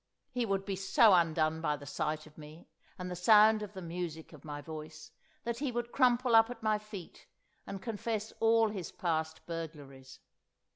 He would be so undone by the sight of me and the sound of the music of my voice, that he would crumple up at my feet and confess all his past burglaries.